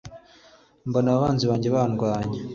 mbona abo banzi banjye bandwanya